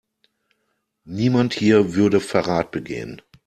Niemand hier würde Verrat begehen.